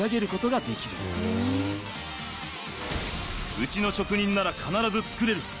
うちの職人なら必ず作れる。